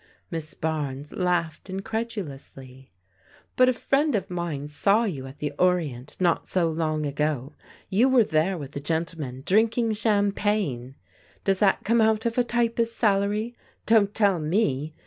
Miss Barnes laughed incredu lously. " But a friend of mine saw you at the ' Orient,' not so long ago. You were there with a gentleman, drinking champagne. Does that come out of a t)^ist's salary? Don't tell me!